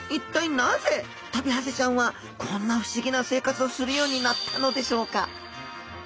なぜトビハゼちゃんはこんな不思議な生活をするようになったのでしょうか？